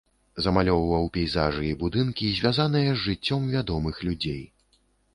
Замалёўваў пейзажы і будынкі, звязаныя з жыццём вядомых людзей.